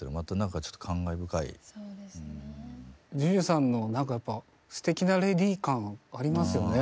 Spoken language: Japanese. ＪＵＪＵさんのなんかやっぱ素敵なレディ感ありますよね。